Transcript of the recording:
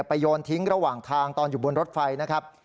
โยนทิ้งระหว่างทางตอนอยู่บนรถไฟนะครับ